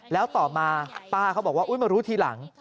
แล้วต่อมาป้าเขาบอกว่ามารู้ทีหลัง